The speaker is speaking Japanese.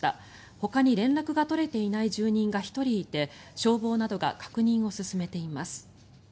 ほかに連絡が取れていない住人が１人いて消防などが確認を進めています。